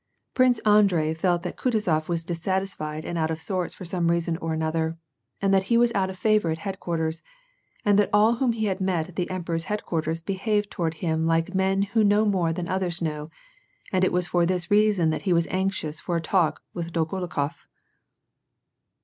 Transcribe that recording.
Prince Andrei felt that Kutuzof was dissatisfied and out of sorts for some reason or other, and that he was out of favor at head quarters, and that all whom he met at the emperor's head quarters behaved toward him like meu who know more than others know, and it was for this reason that he was anxious for a talk with Dolgorukof